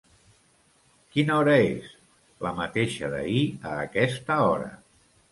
Quina hora és? —La mateixa d'ahir a aquesta hora.